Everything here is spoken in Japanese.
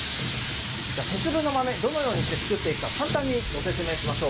節分の豆、どのようにして作っていくか、簡単にご説明しましょう。